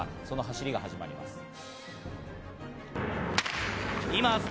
この走りが始まります。